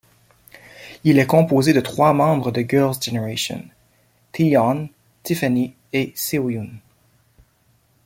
Il est composé de trois membres de Girls' Generation: Taeyeon, Tiffany et Seohyun.